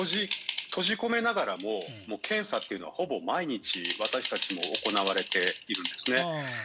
閉じ込めながらも検査というのはほぼ毎日私たちも行われているんですね。